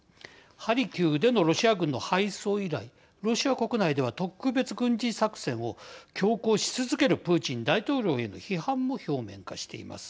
ハルキウでのロシア軍の敗走以来ロシア国内では特別軍事作戦を強行し続けるプーチン大統領への批判も表面化しています。